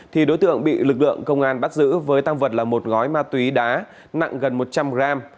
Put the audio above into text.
thì đối tượng bị lực lượng công an bắt giữ với tăng vật là một gói ma túy đá nặng gần một trăm linh gram